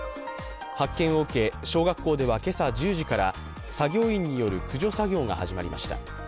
発見を受け、小学校では今朝１０時から作業員による駆除作業が始まりました。